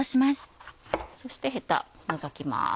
そしてヘタ除きます。